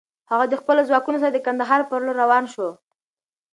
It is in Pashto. هغه د خپلو ځواکونو سره د کندهار پر لور روان شو.